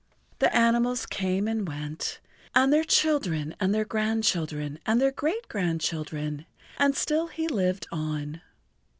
The animals came and went, and their children and their grandchildren and their great grandchildren, and still he lived on.